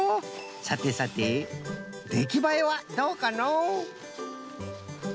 さてさてできばえはどうかのう？